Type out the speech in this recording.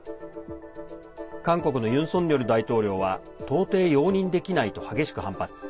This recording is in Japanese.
韓国のユン・ソンニョル大統領は到底容認できないと激しく反発。